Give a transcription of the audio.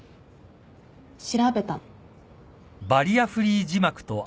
調べたの。